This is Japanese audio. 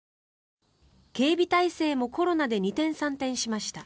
警備態勢もコロナで二転三転しました。